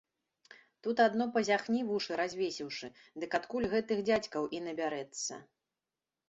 Тут адно пазяхні, вушы развесіўшы, дык адкуль гэтых дзядзькаў і набярэцца.